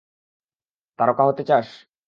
তারকা হতে চাস?